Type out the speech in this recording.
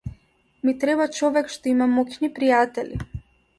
Ми треба човек што има моќни пријатели.